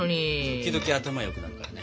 時々頭よくなるからね。